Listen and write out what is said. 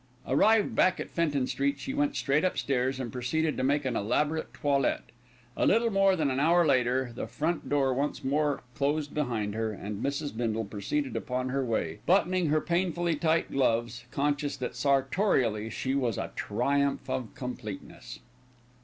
Arrived back at Fenton Street, she went straight upstairs and proceeded to make an elaborate toilet. A little more than an hour later the front door once more closed behind her, and Mrs. Bindle proceeded upon her way, buttoning her painfully tight gloves, conscious that sartorially she was a triumph of completeness.